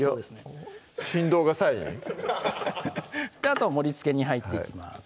あとは盛りつけに入っていきます